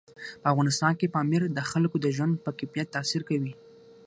په افغانستان کې پامیر د خلکو د ژوند په کیفیت تاثیر کوي.